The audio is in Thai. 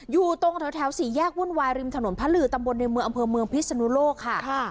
อยู่ตรงแถวสี่แยกวุ่นวายริมถนนพระลือตำบลในเมืองอำเภอเมืองพิศนุโลกค่ะ